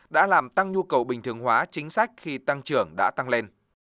đã làm tăng nhu cầu bình thường hóa chính sách khi tăng trưởng đã tăng lên